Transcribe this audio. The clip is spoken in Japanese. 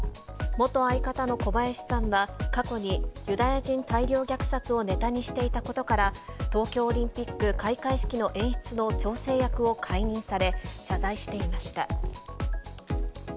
元相方の小林さんが、過去にユダヤ人大量虐殺をネタにしていたことから、東京オリンピック開会式の演出の調整役を解任され、謝罪していました。